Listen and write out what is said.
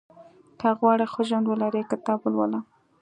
• که غواړې ښه ژوند ولرې، کتاب ولوله.